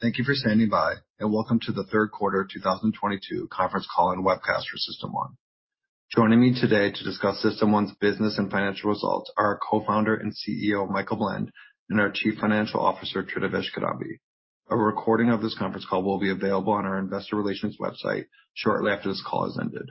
Thank you for standing by, and welcome to the third quarter 2022 conference call and webcast for System1. Joining me today to discuss System1's business and financial results are our co-founder and CEO, Michael Blend, and our Chief Financial Officer, Tridivesh Kidambi. A recording of this conference call will be available on our investor relations website shortly after this call has ended.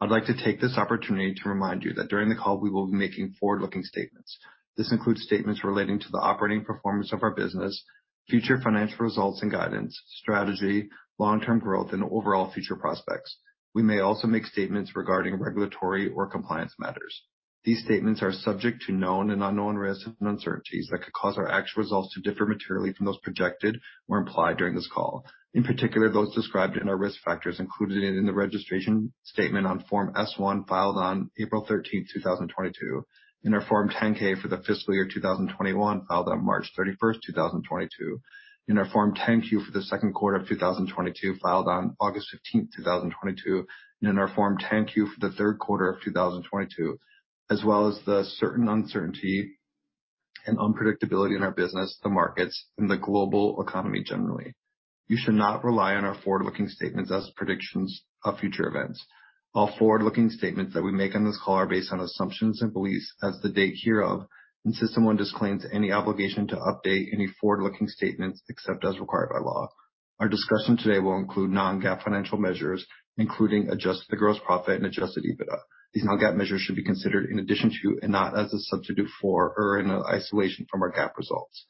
I'd like to take this opportunity to remind you that during the call we will be making forward-looking statements. This includes statements relating to the operating performance of our business, future financial results and guidance, strategy, long-term growth, and overall future prospects. We may also make statements regarding regulatory or compliance matters. These statements are subject to known and unknown risks and uncertainties that could cause our actual results to differ materially from those projected or implied during this call. In particular, those described in our risk factors included in the registration statement on Form S-1 filed on April 13th, 2022, in our Form 10-K for the fiscal year 2021, filed on March 31st, 2022. In our Form 10-Q for the second quarter of 2022, filed on August 15, 2022. In our Form 10-Q for the third quarter of 2022, as well as certain uncertainty and unpredictability in our business, the markets, and the global economy generally. You should not rely on our forward-looking statements as predictions of future events. All forward-looking statements that we make on this call are based on assumptions and beliefs as of the date hereof, and System1 disclaims any obligation to update any forward-looking statements except as required by law. Our discussion today will include non-GAAP financial measures, including adjusted gross profit and adjusted EBITDA. These non-GAAP measures should be considered in addition to and not as a substitute for or in isolation from our GAAP results.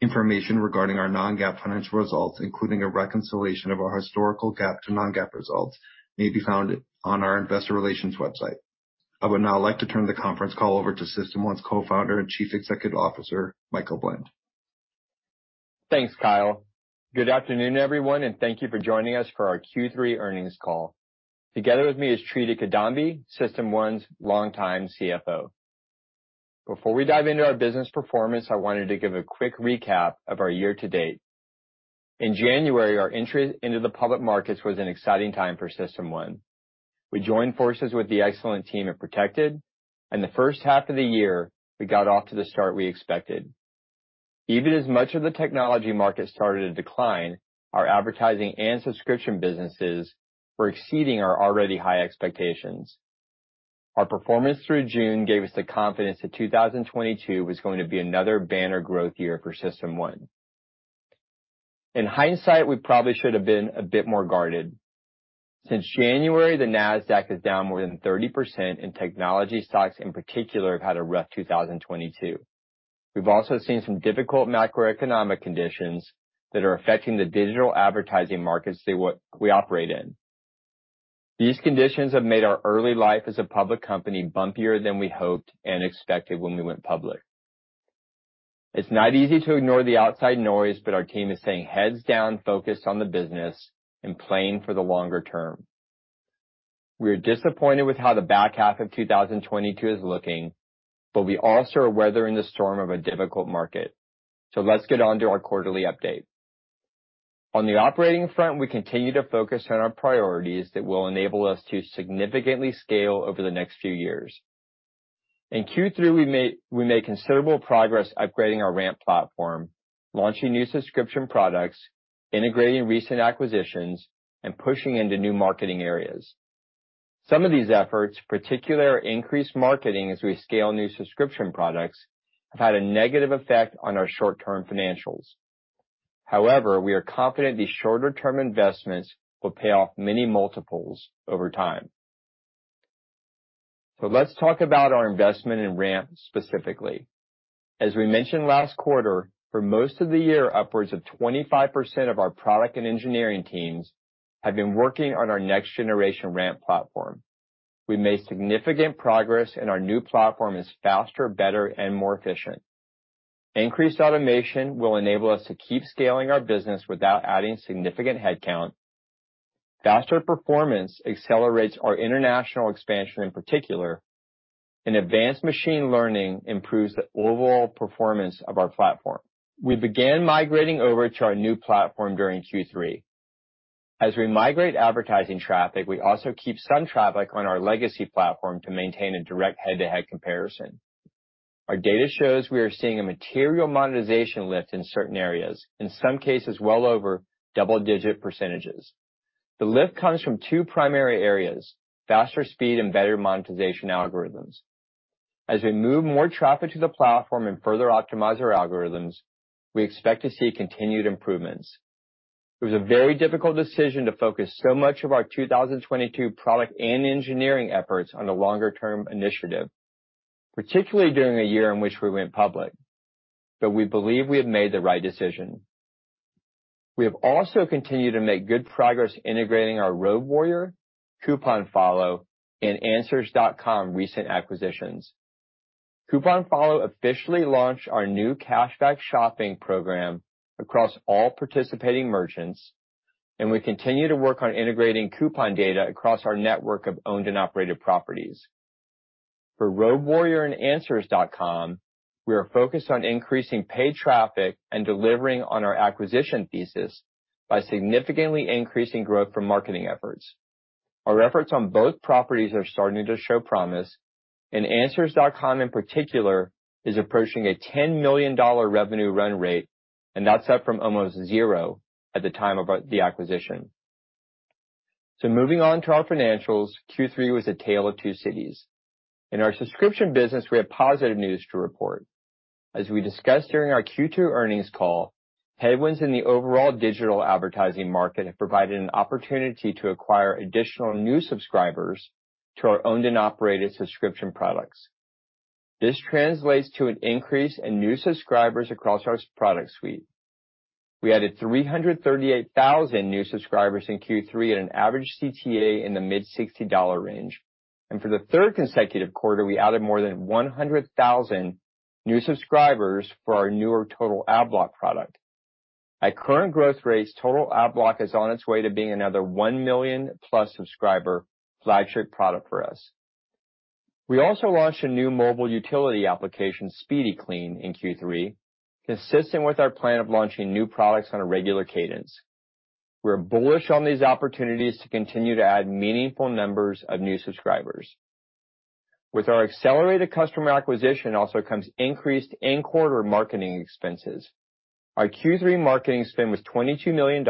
Information regarding our non-GAAP financial results, including a reconciliation of our historical GAAP to non-GAAP results, may be found on our investor relations website. I would now like to turn the conference call over to System1's co-founder and chief executive officer, Michael Blend. Thanks, Kyle. Good afternoon, everyone, and thank you for joining us for our Q3 earnings call. Together with me is Tridivesh Kidambi, System1's longtime CFO. Before we dive into our business performance, I wanted to give a quick recap of our year-to-date. In January, our entry into the public markets was an exciting time for System1. We joined forces with the excellent team at Protected and the first half of the year, we got off to the start we expected. Even as much of the technology market started to decline, our advertising and subscription businesses were exceeding our already high expectations. Our performance through June gave us the confidence that 2022 was going to be another banner growth year for System1. In hindsight, we probably should have been a bit more guarded. Since January, the Nasdaq is down more than 30%, and technology stocks in particular have had a rough 2022. We've also seen some difficult macroeconomic conditions that are affecting the digital advertising markets we operate in. These conditions have made our early life as a public company bumpier than we hoped and expected when we went public. It's not easy to ignore the outside noise, but our team is staying heads down, focused on the business and playing for the longer term. We are disappointed with how the back half of 2022 is looking, but we also are weathering the storm of a difficult market. Let's get on to our quarterly update. On the operating front, we continue to focus on our priorities that will enable us to significantly scale over the next few years. In Q3, we made considerable progress upgrading our RAMP platform, launching new subscription products, integrating recent acquisitions, and pushing into new marketing areas. Some of these efforts, particularly our increased marketing as we scale new subscription products, have had a negative effect on our short-term financials. However, we are confident these shorter-term investments will pay off many multiples over time. Let's talk about our investment in RAMP specifically. As we mentioned last quarter, for most of the year, upwards of 25% of our product and engineering teams have been working on our next generation RAMP platform. We made significant progress, and our new platform is faster, better and more efficient. Increased automation will enable us to keep scaling our business without adding significant headcount. Faster performance accelerates our international expansion in particular, and advanced machine learning improves the overall performance of our platform. We began migrating over to our new platform during Q3. As we migrate advertising traffic, we also keep some traffic on our legacy platform to maintain a direct head-to-head comparison. Our data shows we are seeing a material monetization lift in certain areas, in some cases well over double-digit percentages. The lift comes from two primary areas, faster speed and better monetization algorithms. As we move more traffic to the platform and further optimize our algorithms, we expect to see continued improvements. It was a very difficult decision to focus so much of our 2022 product and engineering efforts on a longer-term initiative, particularly during a year in which we went public. We believe we have made the right decision. We have also continued to make good progress integrating our RoadWarrior, CouponFollow and Answers.com recent acquisitions. CouponFollow officially launched our new cashback shopping program across all participating merchants, and we continue to work on integrating coupon data across our network of owned and operated properties. For RoadWarrior and Answers.com, we are focused on increasing paid traffic and delivering on our acquisition thesis by significantly increasing growth from marketing efforts. Our efforts on both properties are starting to show promise, and Answers.com in particular is approaching a $10 million revenue run rate, and that's up from almost zero at the time of the acquisition. Moving on to our financials, Q3 was a tale of two cities. In our subscription business, we have positive news to report. As we discussed during our Q2 earnings call, headwinds in the overall digital advertising market have provided an opportunity to acquire additional new subscribers to our owned and operated subscription products. This translates to an increase in new subscribers across our product suite. We added 338,000 new subscribers in Q3 at an average CTA in the mid-$60 range. For the third consecutive quarter, we added more than 100,000 new subscribers for our newer Total Adblock product. At current growth rates, Total Adblock is on its way to being another 1+ million subscriber flagship product for us. We also launched a new mobile utility application, Speedy Cleaner, in Q3, consistent with our plan of launching new products on a regular cadence. We're bullish on these opportunities to continue to add meaningful numbers of new subscribers. With our accelerated customer acquisition also comes increased in-quarter marketing expenses. Our Q3 marketing spend was $22 million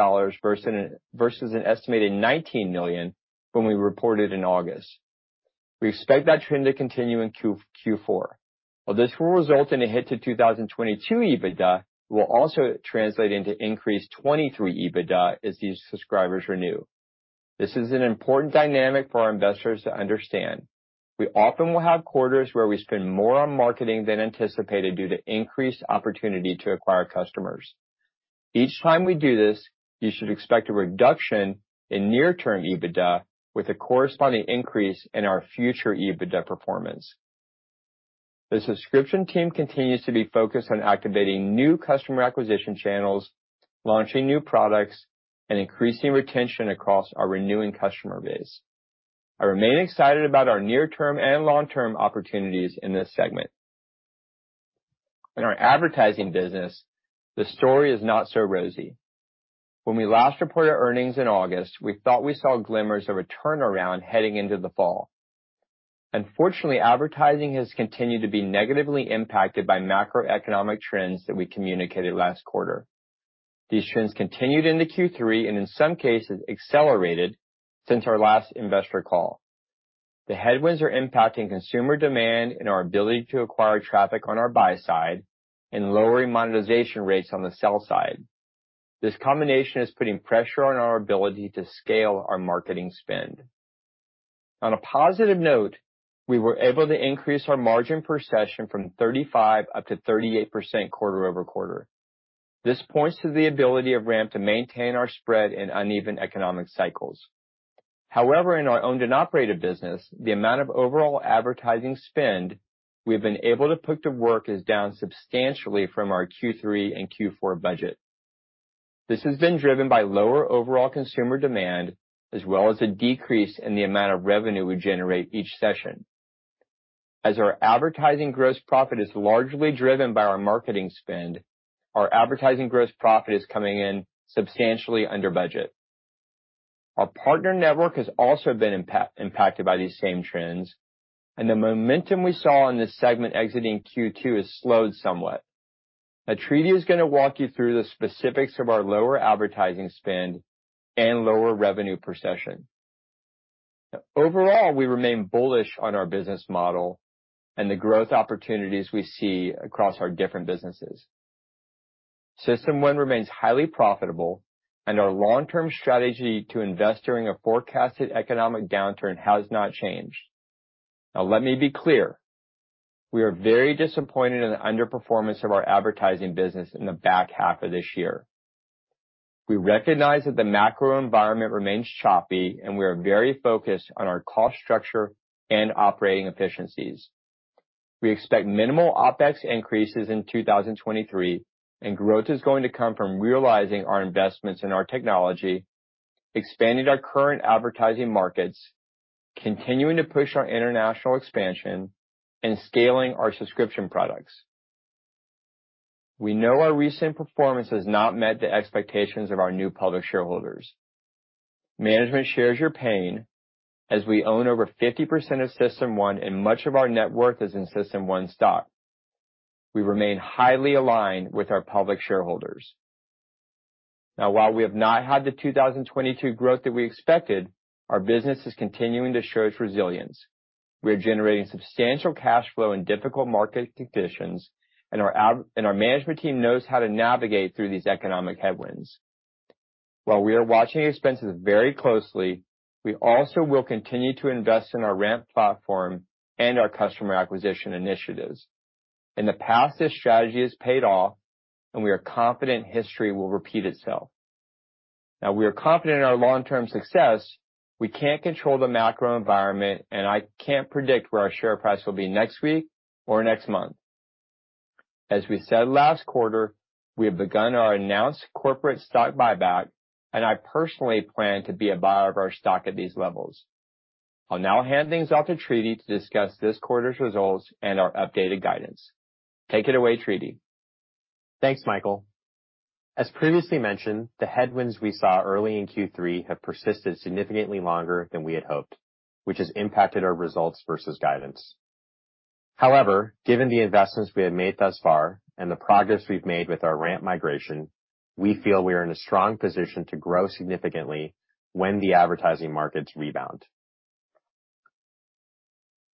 versus an estimated $19 million when we reported in August. We expect that trend to continue in Q4. While this will result in a hit to 2022 EBITDA, it will also translate into increased 2023 EBITDA as these subscribers renew. This is an important dynamic for our investors to understand. We often will have quarters where we spend more on marketing than anticipated due to increased opportunity to acquire customers. Each time we do this, you should expect a reduction in near-term EBITDA with a corresponding increase in our future EBITDA performance. The subscription team continues to be focused on activating new customer acquisition channels, launching new products, and increasing retention across our renewing customer base. I remain excited about our near-term and long-term opportunities in this segment. In our advertising business, the story is not so rosy. When we last reported earnings in August, we thought we saw glimmers of a turnaround heading into the fall. Unfortunately, advertising has continued to be negatively impacted by macroeconomic trends that we communicated last quarter. These trends continued into Q3, and in some cases accelerated since our last investor call. The headwinds are impacting consumer demand and our ability to acquire traffic on our buy side and lowering monetization rates on the sell side. This combination is putting pressure on our ability to scale our marketing spend. On a positive note, we were able to increase our margin per session from 35%-38% quarter-over-quarter. This points to the ability of RAMP to maintain our spread in uneven economic cycles. However, in our owned and operated business, the amount of overall advertising spend we have been able to put to work is down substantially from our Q3 and Q4 budget. This has been driven by lower overall consumer demand, as well as a decrease in the amount of revenue we generate each session. As our advertising gross profit is largely driven by our marketing spend, our advertising gross profit is coming in substantially under budget. Our partner network has also been impacted by these same trends, and the momentum we saw in this segment exiting Q2 has slowed somewhat. Now, Tridivesh is gonna walk you through the specifics of our lower advertising spend and lower revenue per session. Overall, we remain bullish on our business model and the growth opportunities we see across our different businesses. System1 remains highly profitable and our long-term strategy to invest during a forecasted economic downturn has not changed. Now let me be clear, we are very disappointed in the underperformance of our advertising business in the back half of this year. We recognize that the macro environment remains choppy, and we are very focused on our cost structure and operating efficiencies. We expect minimal OpEx increases in 2023, and growth is going to come from realizing our investments in our technology, expanding our current advertising markets, continuing to push our international expansion, and scaling our subscription products. We know our recent performance has not met the expectations of our new public shareholders. Management shares your pain as we own over 50% of System1 and much of our net worth is in System1 stock. We remain highly aligned with our public shareholders. Now, while we have not had the 2022 growth that we expected, our business is continuing to show its resilience. We are generating substantial cash flow in difficult market conditions, and our management team knows how to navigate through these economic headwinds. While we are watching expenses very closely, we also will continue to invest in our RAMP platform and our customer acquisition initiatives. In the past, this strategy has paid off and we are confident history will repeat itself. Now, we are confident in our long-term success. We can't control the macro environment, and I can't predict where our share price will be next week or next month. As we said last quarter, we have begun our announced corporate stock buyback, and I personally plan to be a buyer of our stock at these levels. I'll now hand things off to Tridivesh to discuss this quarter's results and our updated guidance. Take it away, Tridivesh. Thanks, Michael. As previously mentioned, the headwinds we saw early in Q3 have persisted significantly longer than we had hoped, which has impacted our results versus guidance. However, given the investments we have made thus far and the progress we've made with our RAMP migration, we feel we are in a strong position to grow significantly when the advertising markets rebound.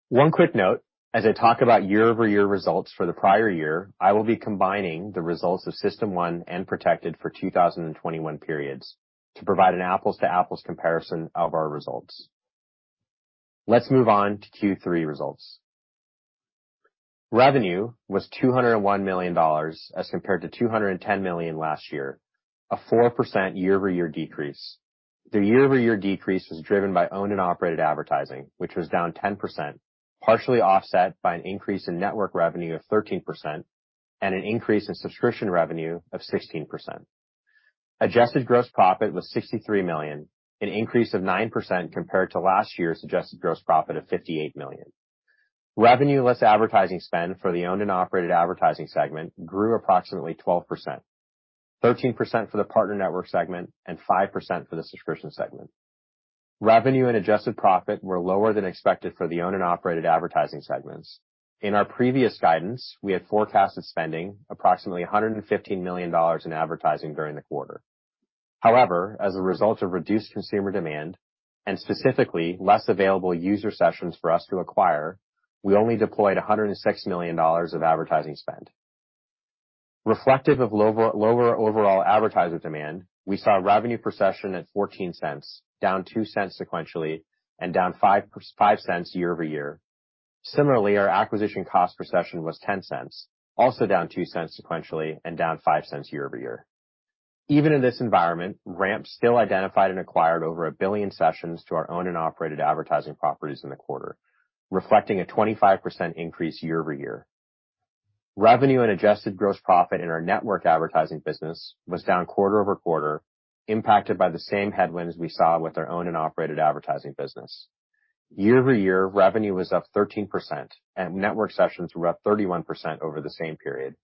One quick note, as I talk about year-over-year results for the prior year, I will be combining the results of System1 and Protected for 2021 periods to provide an apples to apples comparison of our results. Let's move on to Q3 results. Revenue was $201 million as compared to $210 million last year, a 4% year-over-year decrease. The year-over-year decrease was driven by owned and operated advertising, which was down 10%, partially offset by an increase in network revenue of 13% and an increase in subscription revenue of 16%. Adjusted gross profit was $63 million, an increase of 9% compared to last year's adjusted gross profit of $58 million. Revenue less advertising spend for the owned and operated advertising segment grew approximately 12%, 13% for the partner network segment, and 5% for the subscription segment. Revenue and adjusted profit were lower than expected for the owned and operated advertising segments. In our previous guidance, we had forecasted spending approximately $115 million in advertising during the quarter. However, as a result of reduced consumer demand and specifically less available user sessions for us to acquire, we only deployed $106 million of advertising spend. Reflective of lower overall advertiser demand, we saw revenue per session at $0.14, down $0.02 sequentially and down $0.05 year-over-year. Similarly, our acquisition cost per session was $0.10, also down $0.02 sequentially and down $0.05 year-over-year. Even in this environment, RAMP still identified and acquired over 1 billion sessions to our owned and operated advertising properties in the quarter, reflecting a 25% increase year-over-year. Revenue and adjusted gross profit in our network advertising business was down quarter-over-quarter, impacted by the same headwinds we saw with our owned and operated advertising business. Year-over-year, revenue was up 13% and network sessions were up 31% over the same period.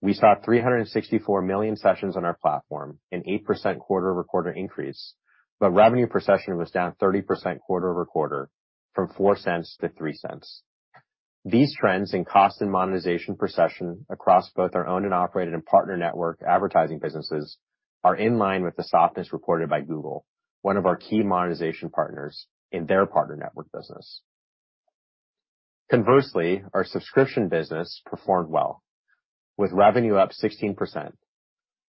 We saw 364 million sessions on our platform, an 8% quarter-over-quarter increase, but revenue per session was down 30% quarter-over-quarter from $0.04 to $0.03. These trends in cost and monetization per session across both our owned and operated and partner network advertising businesses are in line with the softness reported by Google, one of our key monetization partners in their partner network business. Conversely, our subscription business performed well, with revenue up 16%.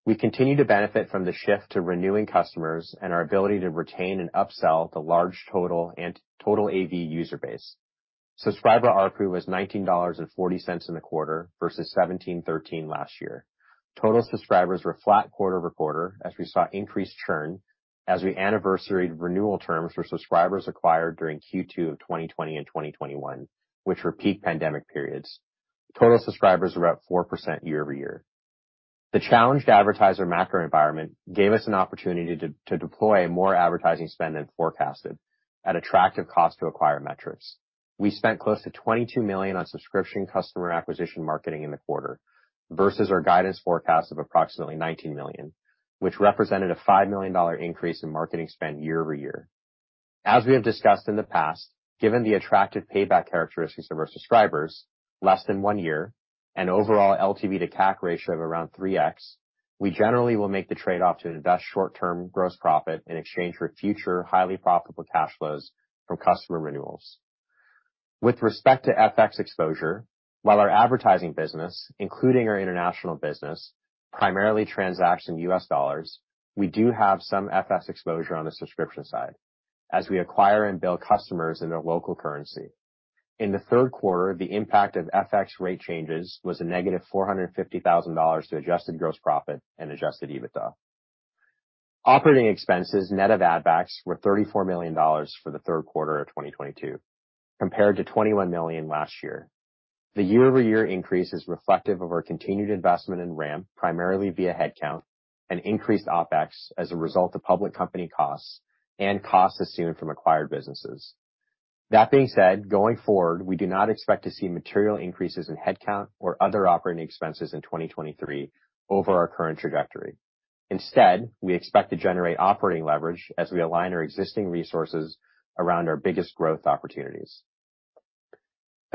We continue to benefit from the shift to renewing customers and our ability to retain and upsell the large Total and TotalAV user base. Subscriber ARPU was $19.40 in the quarter versus $17.13 last year. Total subscribers were flat quarter-over-quarter as we saw increased churn as we anniversaried renewal terms for subscribers acquired during Q2 of 2020 and 2021, which were peak pandemic periods. Total subscribers were up 4% year-over-year. The challenged advertiser macro environment gave us an opportunity to deploy more advertising spend than forecasted at attractive cost to acquire metrics. We spent close to $22 million on subscription customer acquisition marketing in the quarter versus our guidance forecast of approximately $19 million, which represented a $5 million increase in marketing spend year-over-year. As we have discussed in the past, given the attractive payback characteristics of our subscribers less than one year and overall LTV to CAC ratio of around 3x, we generally will make the trade-off to invest short-term gross profit in exchange for future highly profitable cash flows from customer renewals. With respect to FX exposure, while our advertising business, including our international business, primarily transacts in US dollars, we do have some FX exposure on the subscription side as we acquire and bill customers in their local currency. In the third quarter, the impact of FX rate changes was a -$450,000 to adjusted gross profit and adjusted EBITDA. Operating expenses net of ad backs were $34 million for the third quarter of 2022 compared to $21 million last year. The year-over-year increase is reflective of our continued investment in RAMP, primarily via headcount and increased OpEx as a result of public company costs and costs assumed from acquired businesses. That being said, going forward, we do not expect to see material increases in headcount or other operating expenses in 2023 over our current trajectory. Instead, we expect to generate operating leverage as we align our existing resources around our biggest growth opportunities.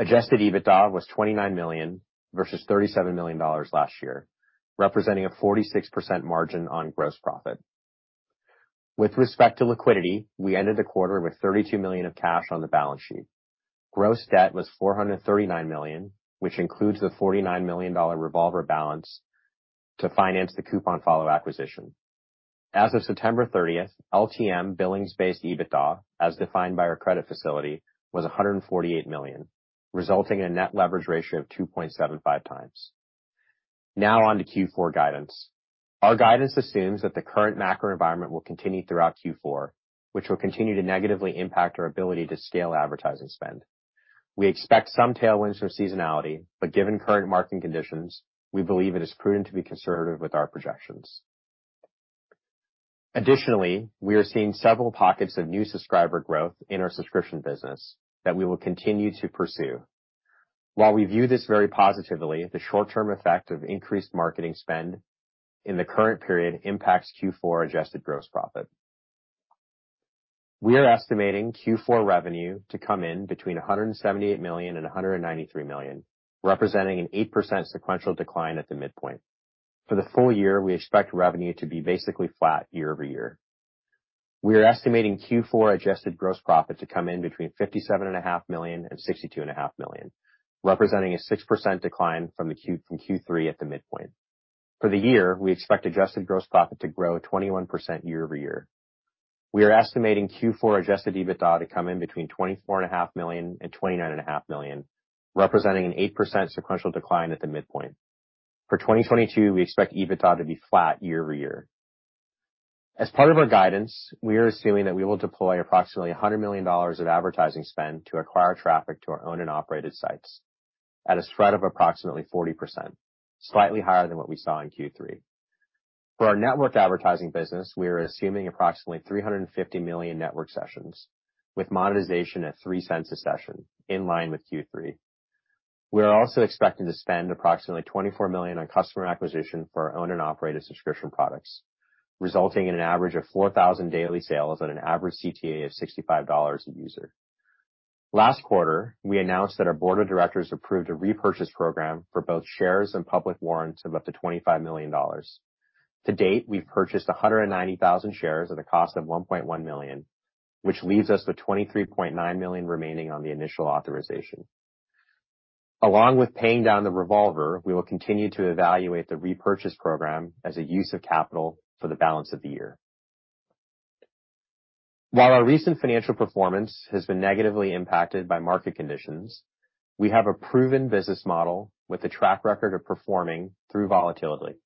Adjusted EBITDA was $29 million versus $37 million last year, representing a 46% margin on gross profit. With respect to liquidity, we ended the quarter with $32 million of cash on the balance sheet. Gross debt was $439 million, which includes the $49 million revolver balance to finance the CouponFollow acquisition. As of September 30, LTM billings-based EBITDA, as defined by our credit facility, was $148 million, resulting in a net leverage ratio of 2.75x. Now on to Q4 guidance. Our guidance assumes that the current macro environment will continue throughout Q4, which will continue to negatively impact our ability to scale advertising spend. We expect some tailwinds from seasonality, but given current marketing conditions, we believe it is prudent to be conservative with our projections. Additionally, we are seeing several pockets of new subscriber growth in our subscription business that we will continue to pursue. While we view this very positively, the short-term effect of increased marketing spend in the current period impacts Q4 adjusted gross profit. We are estimating Q4 revenue to come in between $178 million and $193 million, representing an 8% sequential decline at the midpoint. For the full year, we expect revenue to be basically flat year-over-year. We are estimating Q4 adjusted gross profit to come in between $57.5 million and $62.5 million, representing a 6% decline from Q3 at the midpoint. For the year, we expect adjusted gross profit to grow 21% year-over-year. We are estimating Q4 adjusted EBITDA to come in between $24.5 million and $29.5 million, representing an 8% sequential decline at the midpoint. For 2022, we expect EBITDA to be flat year-over-year. As part of our guidance, we are assuming that we will deploy approximately $100 million of advertising spend to acquire traffic to our own and operated sites at a spread of approximately 40%, slightly higher than what we saw in Q3. For our network advertising business, we are assuming approximately 350 million network sessions with monetization at $0.03 a session in line with Q3. We are also expecting to spend approximately $24 million on customer acquisition for our own and operated subscription products, resulting in an average of 4,000 daily sales at an average CTA of $65 a user. Last quarter, we announced that our board of directors approved a repurchase program for both shares and public warrants of up to $25 million. To date, we've purchased 190,000 shares at a cost of $1.1 million, which leaves us with $23.9 million remaining on the initial authorization. Along with paying down the revolver, we will continue to evaluate the repurchase program as a use of capital for the balance of the year. While our recent financial performance has been negatively impacted by market conditions, we have a proven business model with a track record of performing through volatility.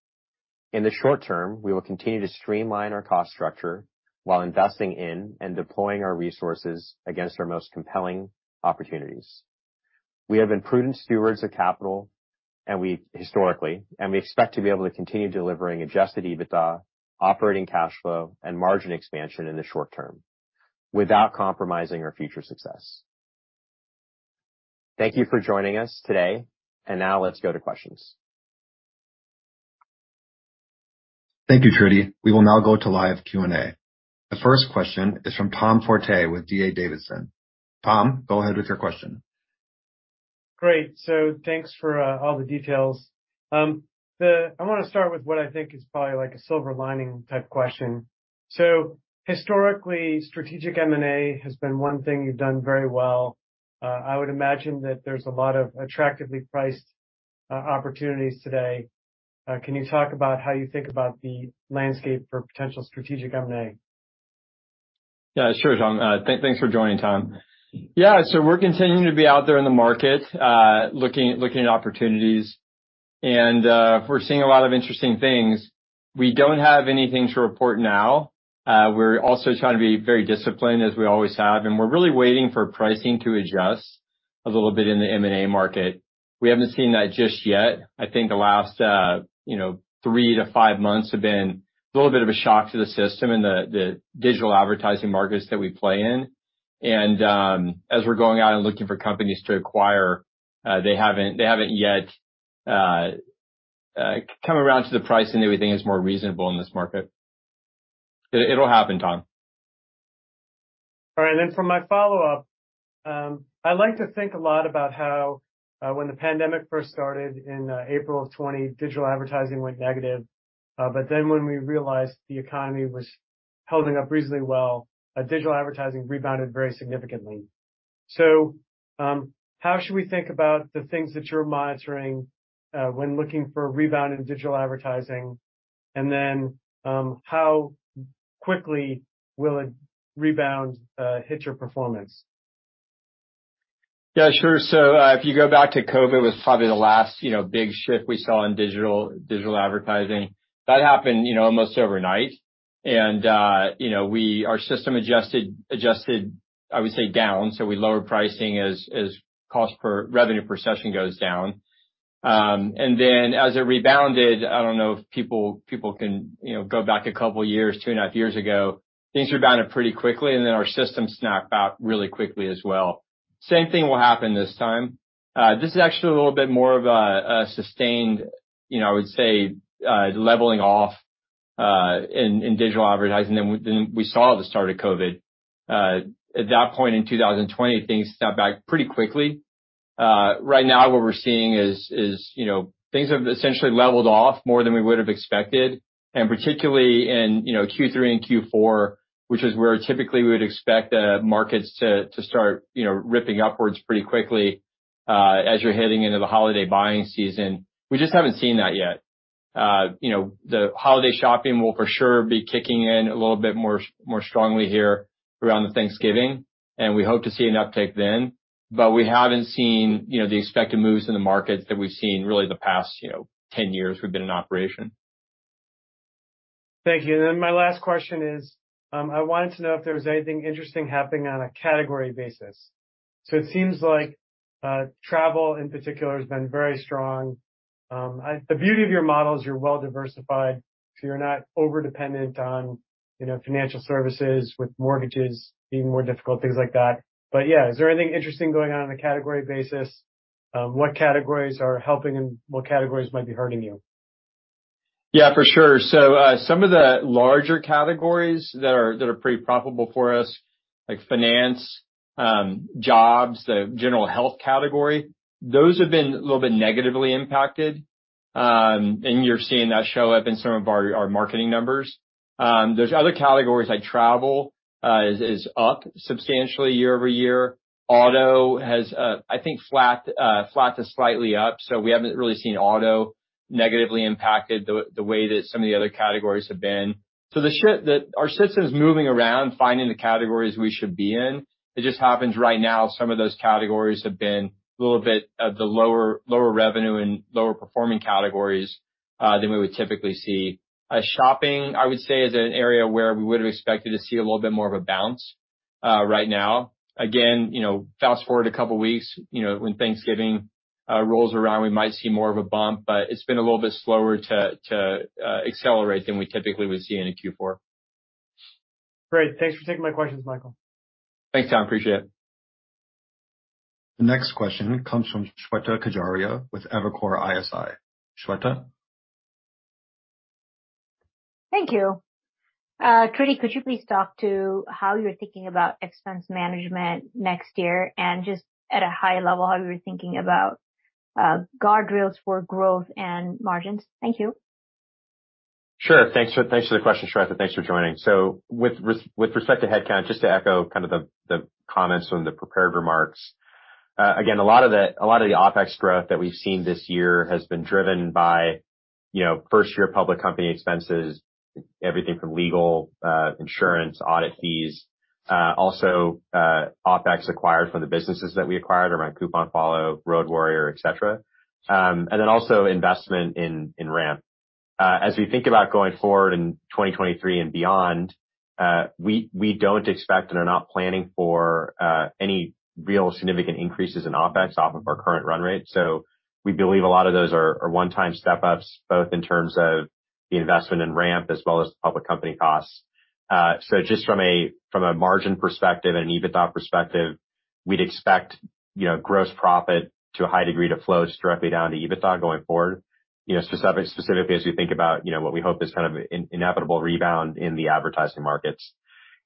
In the short term, we will continue to streamline our cost structure while investing in and deploying our resources against our most compelling opportunities. We have been prudent stewards of capital historically, and we expect to be able to continue delivering adjusted EBITDA, operating cash flow, and margin expansion in the short term without compromising our future success. Thank you for joining us today. Now let's go to questions. Thank you, Tridivesh. We will now go to live Q&A. The first question is from Tom Forte with D.A. Davidson. Tom, go ahead with your question. Great. So thanks for all the details. I wanna start with what I think is probably like a silver lining type question. Historically, strategic M&A has been one thing you've done very well. I would imagine that there's a lot of attractively priced opportunities today. Can you talk about how you think about the landscape for potential strategic M&A? Yeah, sure, Tom. Thanks for joining, Tom. Yeah. We're continuing to be out there in the market, looking at opportunities and we're seeing a lot of interesting things. We don't have anything to report now. We're also trying to be very disciplined, as we always have, and we're really waiting for pricing to adjust a little bit in the M&A market. We haven't seen that just yet. I think the last, you know, three to five months have been a little bit of a shock to the system in the digital advertising markets that we play in. As we're going out and looking for companies to acquire, they haven't yet come around to the pricing that we think is more reasonable in this market. It'll happen, Tom. All right. For my follow-up, I like to think a lot about how when the pandemic first started in April of 2020, digital advertising went negative. When we realized the economy was holding up reasonably well, digital advertising rebounded very significantly. How should we think about the things that you're monitoring when looking for a rebound in digital advertising? How quickly will a rebound hit your performance? Yeah, sure. If you go back to COVID, was probably the last, you know, big shift we saw in digital advertising. That happened, you know, almost overnight. Our system adjusted, I would say, down, so we lowered pricing as cost per revenue per session goes down. As it rebounded, I don't know if people can, you know, go back a couple years, two and a half years ago, things rebounded pretty quickly, and then our system snapped back really quickly as well. Same thing will happen this time. This is actually a little bit more of a sustained, you know, I would say, leveling off in digital advertising than we saw at the start of COVID. At that point in 2020, things snapped back pretty quickly. Right now what we're seeing is, you know, things have essentially leveled off more than we would've expected. Particularly in, you know, Q3 and Q4, which is where typically we would expect the markets to start, you know, ripping upwards pretty quickly, as you're heading into the holiday buying season, we just haven't seen that yet. You know, the holiday shopping will for sure be kicking in a little bit more strongly here around Thanksgiving, and we hope to see an uptick then, but we haven't seen, you know, the expected moves in the markets that we've seen really the past, you know, 10 years we've been in operation. Thank you. My last question is, I wanted to know if there was anything interesting happening on a category basis. It seems like travel in particular has been very strong. The beauty of your model is you're well-diversified, so you're not over-dependent on, you know, financial services with mortgages being more difficult, things like that. Yeah. Is there anything interesting going on a category basis? What categories are helping and what categories might be hurting you? Yeah, for sure. Some of the larger categories that are pretty profitable for us, like finance, jobs, the general health category, those have been a little bit negatively impacted. You're seeing that show up in some of our marketing numbers. There's other categories like travel is up substantially year-over-year. Auto has, I think, flat to slightly up. We haven't really seen auto negatively impacted the way that some of the other categories have been. Our system's moving around, finding the categories we should be in. It just happens right now some of those categories have been a little bit of the lower revenue and lower performing categories than we would typically see. Shopping, I would say is an area where we would have expected to see a little bit more of a bounce, right now. Again, you know, fast-forward a couple weeks, you know, when Thanksgiving rolls around, we might see more of a bump, but it's been a little bit slower to accelerate than we typically would see in a Q4. Great. Thanks for taking my questions, Michael. Thanks, Tom. Appreciate it. The next question comes from Shweta Khajuria with Evercore ISI. Shweta? Thank you. Tridivesh, could you please talk about how you're thinking about expense management next year and just at a high level, how you were thinking about guardrails for growth and margins? Thank you. Sure. Thanks for the question, Shweta. Thanks for joining. With respect to headcount, just to echo the comments from the prepared remarks. Again, a lot of the OpEx growth that we've seen this year has been driven by, you know, first-year public company expenses, everything from legal, insurance, audit fees, also OpEx acquired from the businesses that we acquired around CouponFollow, RoadWarrior, et cetera. And then also investment in RAMP. As we think about going forward in 2023 and beyond, we don't expect and are not planning for any real significant increases in OpEx off of our current run rate. We believe a lot of those are one-time step-ups, both in terms of the investment in RAMP as well as public company costs. Just from a margin perspective and an EBITDA perspective, we'd expect, you know, gross profit to a high degree to flow directly down to EBITDA going forward. You know, specifically as we think about, you know, what we hope is kind of inevitable rebound in the advertising markets.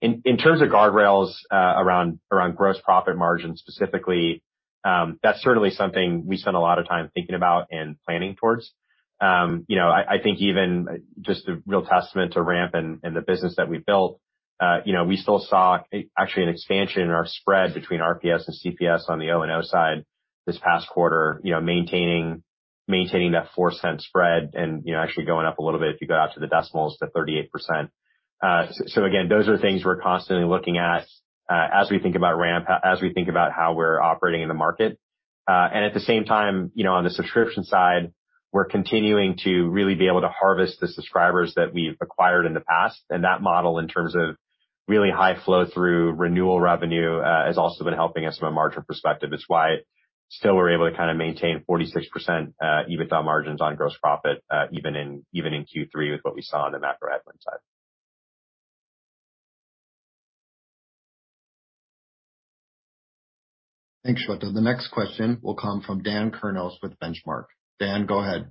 In terms of guardrails around gross profit margin specifically, that's certainly something we spend a lot of time thinking about and planning towards. You know, I think even just the real testament to RAMP and the business that we built, you know, we still saw actually an expansion in our spread between RPS and CPS on the O&O side this past quarter, you know, maintaining that $0.04 spread and, you know, actually going up a little bit if you go out to the decimals to 38%. Again, those are things we're constantly looking at, as we think about RAMP, as we think about how we're operating in the market. At the same time, you know, on the subscription side, we're continuing to really be able to harvest the subscribers that we've acquired in the past. That model, in terms of really high flow through renewal revenue, has also been helping us from a margin perspective. It's why still we're able to kind of maintain 46% EBITDA margins on gross profit, even in Q3 with what we saw on the macro ad spend side. Thanks, Shweta. The next question will come from Dan Kurnos with Benchmark. Dan, go ahead.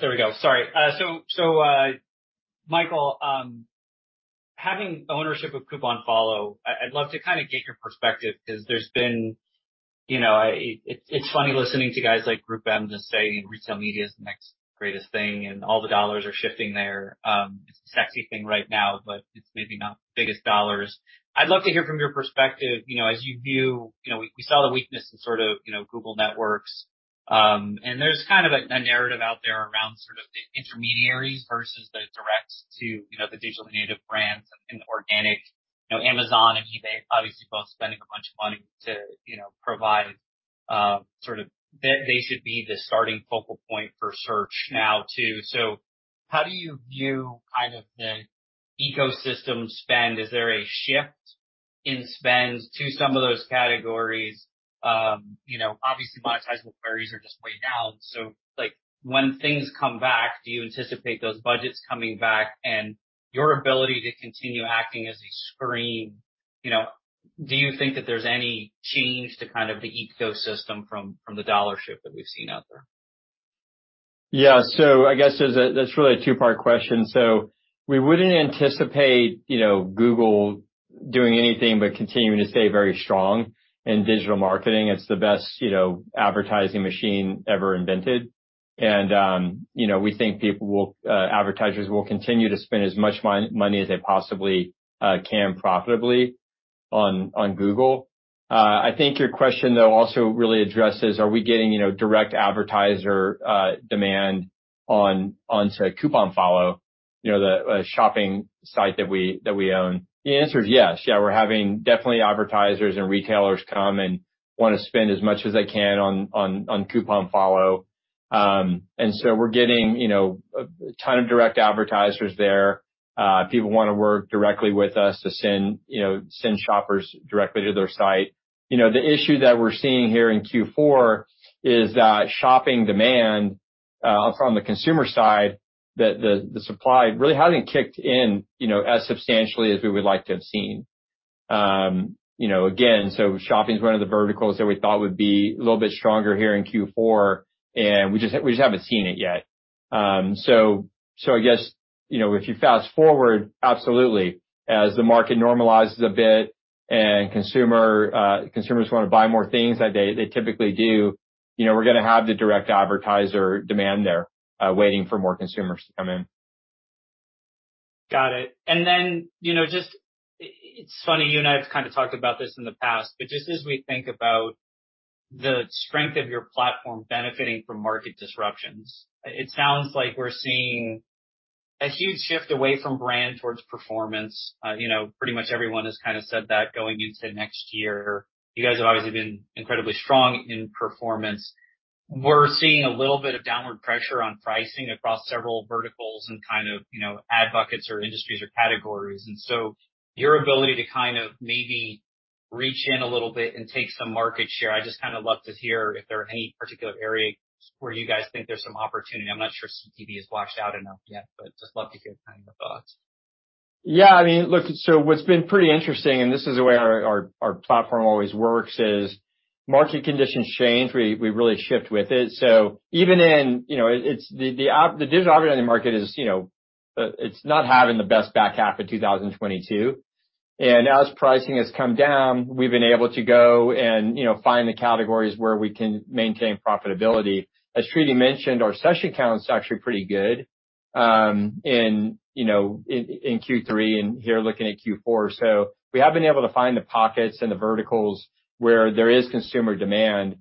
There we go. Sorry. Michael, having ownership of CouponFollow, I'd love to kinda get your perspective 'cause there's been. You know, it's funny listening to guys like GroupM just say retail media is the next greatest thing, and all the dollars are shifting there. It's the sexy thing right now, but it's maybe not the biggest dollars. I'd love to hear from your perspective, you know, as you view, you know, we saw the weakness in sort of, you know, Google Network. There's kind of a narrative out there around sort of the intermediaries versus the direct to, you know, the digital native brands and the organic. You know, Amazon and eBay obviously both spending a bunch of money to, you know, provide sort of. They should be the starting focal point for search now too. How do you view kind of the ecosystem spend? Is there a shift in spend to some of those categories? You know, obviously, monetizable queries are just way down. Like, when things come back, do you anticipate those budgets coming back and your ability to continue acting as a screen? You know, do you think that there's any change to kind of the ecosystem from the dollar shift that we've seen out there? Yeah. I guess that's really a two-part question. We wouldn't anticipate, you know, Google doing anything but continuing to stay very strong in digital marketing. It's the best, you know, advertising machine ever invented. You know, we think advertisers will continue to spend as much money as they possibly can profitably on Google. I think your question, though, also really addresses, are we getting, you know, direct advertiser demand onto CouponFollow, you know, the shopping site that we own? The answer is yes. Yeah, we're definitely having advertisers and retailers come and wanna spend as much as they can on CouponFollow. We're getting, you know, a ton of direct advertisers there. People wanna work directly with us to send, you know, shoppers directly to their site. You know, the issue that we're seeing here in Q4 is that shopping demand from the consumer side, the supply really hasn't kicked in, you know, as substantially as we would like to have seen. You know, shopping's one of the verticals that we thought would be a little bit stronger here in Q4, and we just haven't seen it yet. I guess, you know, if you fast-forward, absolutely, as the market normalizes a bit and consumers wanna buy more things that they typically do, you know, we're gonna have the direct advertiser demand there waiting for more consumers to come in. Got it. You know, just it's funny, you and I have kind of talked about this in the past, but just as we think about the strength of your platform benefiting from market disruptions, it sounds like we're seeing a huge shift away from brand towards performance. You know, pretty much everyone has kind of said that going into next year. You guys have obviously been incredibly strong in performance. We're seeing a little bit of downward pressure on pricing across several verticals and kind of, you know, ad buckets or industries or categories. And so your ability to kind of maybe reach in a little bit and take some market share, I'd just kind of love to hear if there are any particular areas where you guys think there's some opportunity. I'm not sure CTV has washed out enough yet, but just love to hear kind of your thoughts. Yeah. I mean, look, what's been pretty interesting, and this is the way our platform always works, is market conditions change, we really shift with it. Even in, you know, it's the digital advertising market is, you know, it's not having the best back half of 2022. As pricing has come down, we've been able to go and, you know, find the categories where we can maintain profitability. As Tridivesh mentioned, our session count's actually pretty good in, you know, in Q3 and here looking at Q4. We have been able to find the pockets and the verticals where there is consumer demand.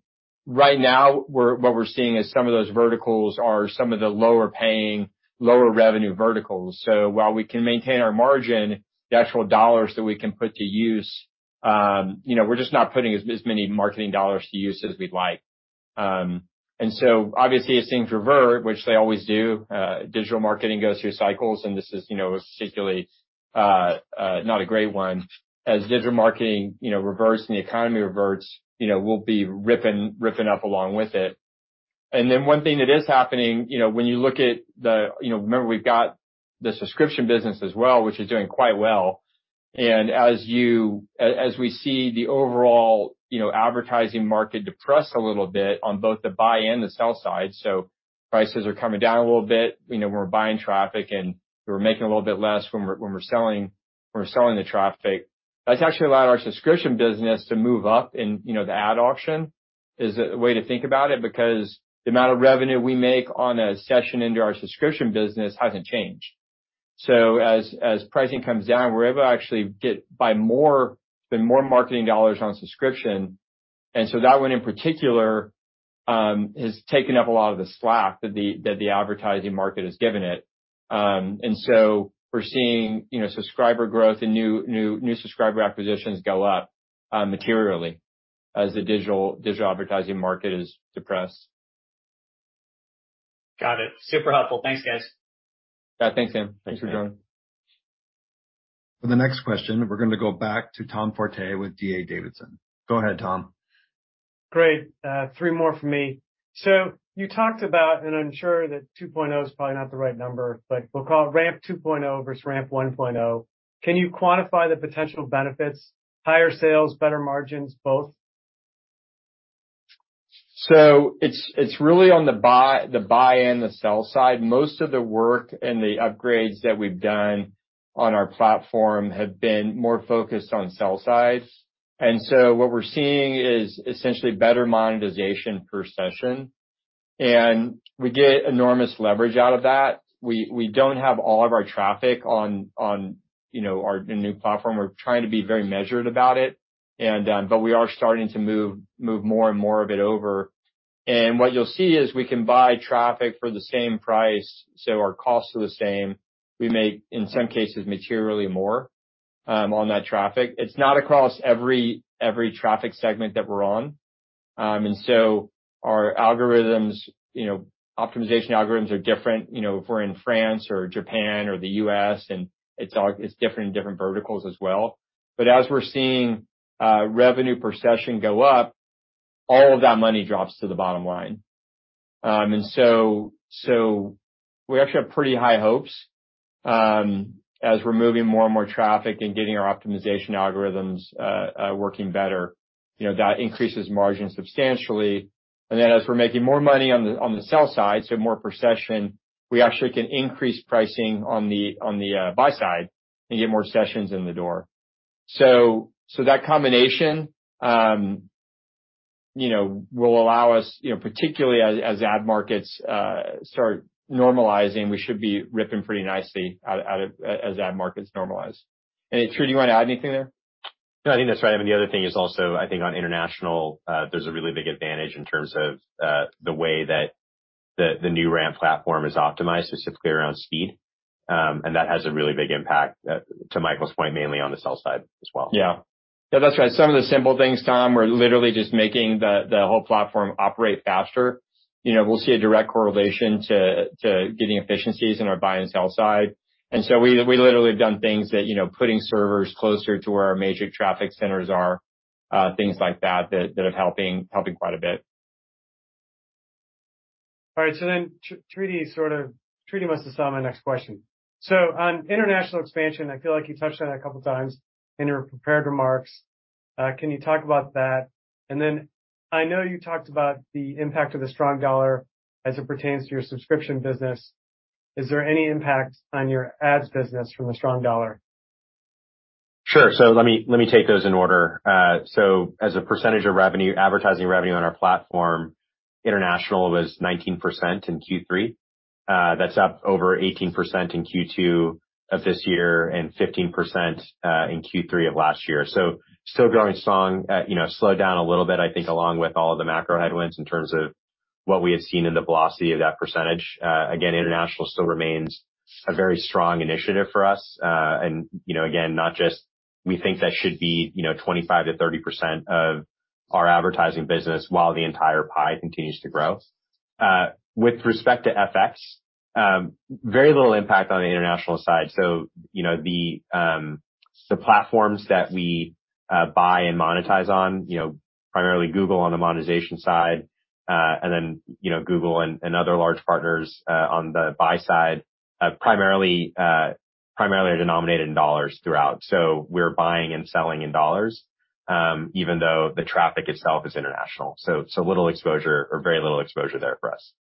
Right now, what we're seeing is some of those verticals are some of the lower-paying, lower-revenue verticals. While we can maintain our margin, the actual dollars that we can put to use, you know, we're just not putting as many marketing dollars to use as we'd like. Obviously as things revert, which they always do, digital marketing goes through cycles, and this is, you know, particularly not a great one. As digital marketing, you know, reverts and the economy reverts, you know, we'll be ripping up along with it. One thing that is happening, you know, when you look at the, you know. Remember we've got the subscription business as well, which is doing quite well. As we see the overall, you know, advertising market depress a little bit on both the buy and the sell side, so prices are coming down a little bit. You know, we're buying traffic, and we're making a little bit less when we're selling the traffic. That's actually allowed our subscription business to move up in the ad auction, you know, is a way to think about it because the amount of revenue we make on a session into our subscription business hasn't changed. As pricing comes down, we're able to actually buy more, spend more marketing dollars on subscription. That one in particular has taken up a lot of the slack that the advertising market has given it. We're seeing, you know, subscriber growth and new subscriber acquisitions go up materially as the digital advertising market is depressed. Got it. Super helpful. Thanks, guys. Yeah. Thanks, Dan. Thanks for joining. For the next question, we're gonna go back to Tom Forte with D.A. Davidson. Go ahead, Tom. Great. Three more from me. You talked about, and I'm sure that 2.0 is probably not the right number, but we'll call it RAMP 2.0 versus RAMP 1.0. Can you quantify the potential benefits? Higher sales, better margins, both? It's really on the buy and the sell side. Most of the work and the upgrades that we've done on our platform have been more focused on sell side. What we're seeing is essentially better monetization per session, and we get enormous leverage out of that. We don't have all of our traffic on you know our new platform. We're trying to be very measured about it but we are starting to move more and more of it over. What you'll see is we can buy traffic for the same price, so our costs are the same. We make in some cases materially more on that traffic. It's not across every traffic segment that we're on. Our algorithms, you know, optimization algorithms are different, you know, if we're in France or Japan or the U.S., and it's all different in different verticals as well. But as we're seeing revenue per session go up, all of that money drops to the bottom line. We actually have pretty high hopes as we're moving more and more traffic and getting our optimization algorithms working better. You know, that increases margin substantially. As we're making more money on the sell side, so more per session, we actually can increase pricing on the buy side and get more sessions in the door. That combination, you know, will allow us, you know, particularly as ad markets start normalizing, we should be ripping pretty nicely out as ad markets normalize. Tridivesh, you wanna add anything there? No, I think that's right. I mean, the other thing is also, I think on international, there's a really big advantage in terms of, the way that the new RAMP platform is optimized is simply around speed. That has a really big impact, to Michael's point, mainly on the sell side as well. Yeah. Yeah, that's right. Some of the simple things, Tom, we're literally just making the whole platform operate faster. You know, we'll see a direct correlation to getting efficiencies in our buy and sell side. We literally have done things that, you know, putting servers closer to where our major traffic centers are, things like that that are helping quite a bit. All right, Tridivesh must have saw my next question. On international expansion, I feel like you touched on that a couple times in your prepared remarks. Can you talk about that? I know you talked about the impact of the strong US dollar as it pertains to your subscription business. Is there any impact on your ads business from the strong US dollar? Sure. Let me take those in order. As a percentage of revenue, advertising revenue on our platform, international was 19% in Q3. That's up over 18% in Q2 of this year and 15% in Q3 of last year. Still growing strong. You know, slowed down a little bit, I think, along with all the macro headwinds in terms of what we had seen in the velocity of that percentage. Again, international still remains a very strong initiative for us. And, you know, again, not just we think that should be, you know, 25%-30% of our advertising business while the entire pie continues to grow. With respect to FX, very little impact on the international side. You know, the platforms that we buy and monetize on, you know, primarily Google on the monetization side, and then, you know, Google and other large partners on the buy side, primarily are denominated in dollars throughout. We're buying and selling in dollars, even though the traffic itself is international. Little exposure or very little exposure there for us.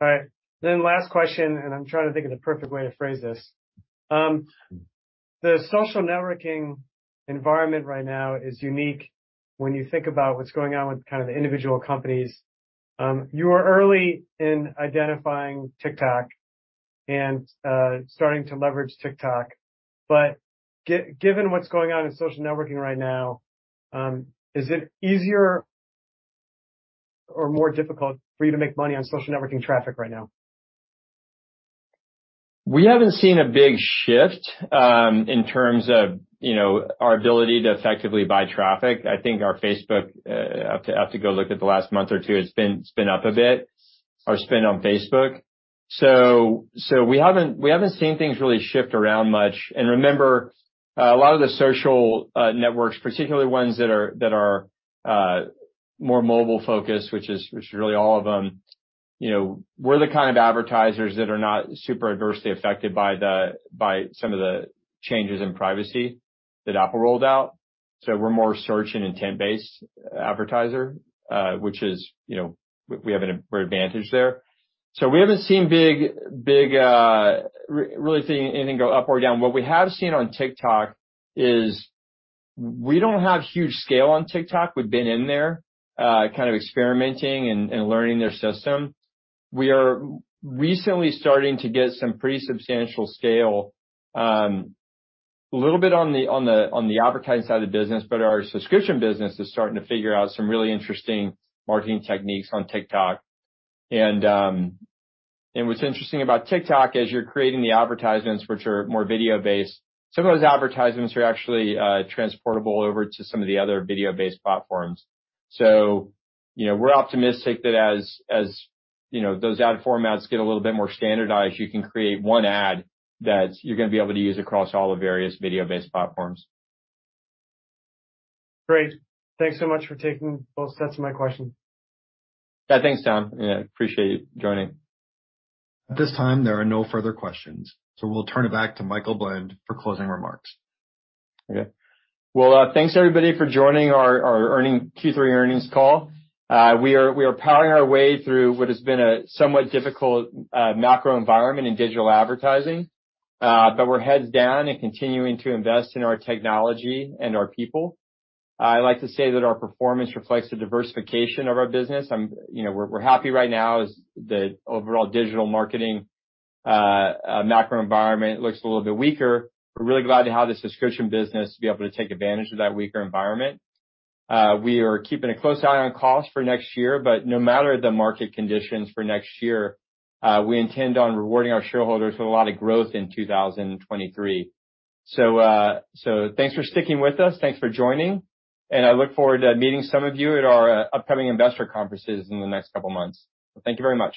All right. Last question, and I'm trying to think of the perfect way to phrase this. The social networking environment right now is unique when you think about what's going on with kind of the individual companies. You are early in identifying TikTok and starting to leverage TikTok. Given what's going on in social networking right now, is it easier or more difficult for you to make money on social networking traffic right now? We haven't seen a big shift in terms of, you know, our ability to effectively buy traffic. I think our Facebook, I have to go look at the last month or two. It's been up a bit, our spend on Facebook. We haven't seen things really shift around much. Remember, a lot of the social networks, particularly ones that are more mobile-focused, which is really all of them, you know, we're the kind of advertisers that are not super adversely affected by some of the changes in privacy that Apple rolled out. We're more search and intent-based advertiser, which is, you know, we have an advantage there. We haven't really seen anything go up or down. What we have seen on TikTok is we don't have huge scale on TikTok. We've been in there, kind of experimenting and learning their system. We are recently starting to get some pretty substantial scale, a little bit on the advertising side of the business, but our subscription business is starting to figure out some really interesting marketing techniques on TikTok. What's interesting about TikTok, as you're creating the advertisements, which are more video-based, some of those advertisements are actually transportable over to some of the other video-based platforms. You know, we're optimistic that as you know, those ad formats get a little bit more standardized, you can create one ad that you're gonna be able to use across all the various video-based platforms. Great. Thanks so much for taking both sets of my questions. Yeah. Thanks, Tom. Yeah, appreciate you joining. At this time, there are no further questions, so we'll turn it back to Michael Blend for closing remarks. Okay. Well, thanks everybody for joining our Q3 earnings call. We are powering our way through what has been a somewhat difficult macro environment in digital advertising. We're heads down and continuing to invest in our technology and our people. I like to say that our performance reflects the diversification of our business. You know, we're happy right now as the overall digital marketing macro environment looks a little bit weaker. We're really glad to have the subscription business to be able to take advantage of that weaker environment. We are keeping a close eye on cost for next year, but no matter the market conditions for next year, we intend on rewarding our shareholders with a lot of growth in 2023. Thanks for sticking with us. Thanks for joining, and I look forward to meeting some of you at our upcoming investor conferences in the next couple of months. Thank you very much.